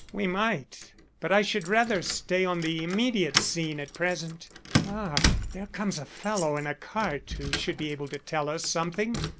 "We might; but I should rather stay on the immediate scene at present. Ah, there comes a fellow in a cart who should be able to tell us something!